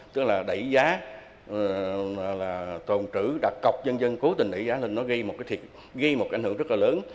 tức là đẩy giá tồn trữ đặc cọc dân dân cố tình đẩy giá lên nó gây một ảnh hưởng rất là lớn